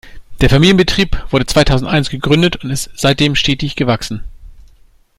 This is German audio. Der Familienbetrieb wurde zweitausendeins gegründet und ist seitdem stetig gewachsen.